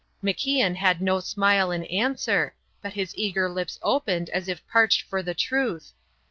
MacIan had no smile in answer, but his eager lips opened as if parched for the truth.